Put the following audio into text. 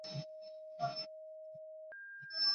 鼓山珠灵殿创建于日治时期大正十五年。